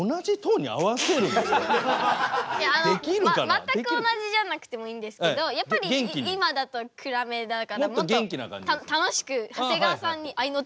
全く同じじゃなくてもいいんですけどやっぱり今だと暗めだからもっと楽しく長谷川さんにあいの手を入れるような感じでも。